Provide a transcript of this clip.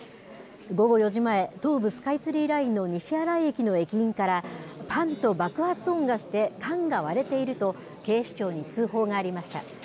午後４時前、東武スカイツリーラインの西新井駅の駅員から、ぱんと爆発音がして、缶が割れていると、警視庁に通報がありました。